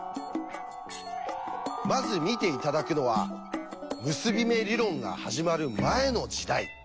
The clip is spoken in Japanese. まず見て頂くのは結び目理論が始まる前の時代。